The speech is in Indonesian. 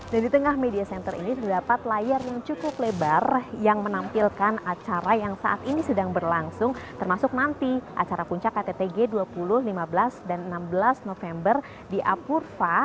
dan di tengah media center ini terdapat layar yang cukup lebar yang menampilkan acara yang saat ini sedang berlangsung termasuk nanti acara puncak ktt g dua puluh lima belas dan enam belas november di apurva